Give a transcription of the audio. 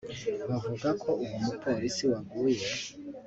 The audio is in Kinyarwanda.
bavuga ko uwo mupolisi waguye